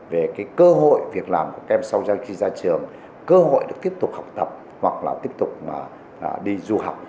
về cái cơ hội việc làm của các em sau khi ra trường cơ hội được tiếp tục học tập hoặc là tiếp tục đi du học